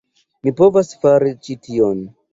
Mi povas fari ĉi tion!